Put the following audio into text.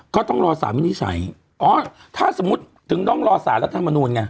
ก็ต้องรอสารวินิจฉัยอ๋อถ้าสมมุติถึงต้องรอสารรัฐมนูลไง